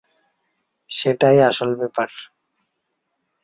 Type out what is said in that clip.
সেটাই আসল ব্যাপার।